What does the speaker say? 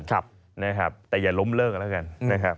แต่อย่าล้มเลิกก็แล้วกัน